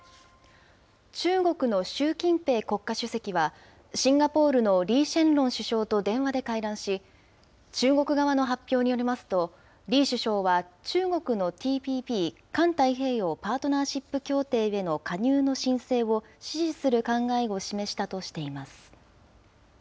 中国の習近平国家主席は、シンガポールのリー・シェンロン首相と電話で会談し、中国側の発表によりますと、リー首相は中国のＴＰＰ・環太平洋パートナーシップ協定での加入の申請を支持する考えを示したとしています。